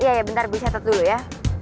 iya bentar bisa tetap dulu ya